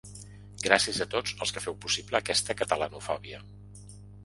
Gràcies a tots els que feu possible aquesta catalanofòbia.